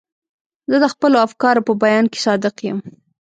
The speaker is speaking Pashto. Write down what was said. زه د خپلو افکارو په بیان کې صادق یم.